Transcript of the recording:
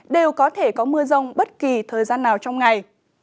đều có thể có mưa rông bất kỳ thời gian nào trong ngày